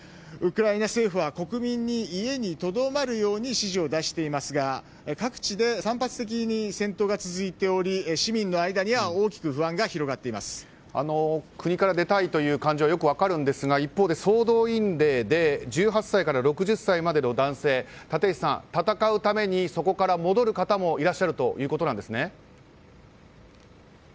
ウクライナ政府は国民に家にとどまるように指示を出していますが各地で散発的に戦闘が続いており市民の間には大きく不安が国から出たいという感情もよく分かりますが一方で総動員令で１８歳から６０歳までの男性立石さん、戦うためにそこから戻る方もいらっしゃるということですね。